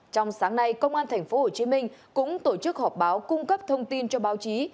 trong sáng nay công an tp hcm cũng tổ chức họp báo cung cấp thông tin cho báo chí